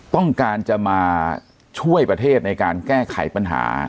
ต้องการจะมาช่วยประเทศในการแก้ไขปัญหา